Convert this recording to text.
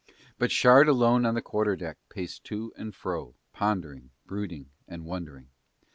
But Shard alone on the quarter deck paced to and fro pondering, brooding and wondering.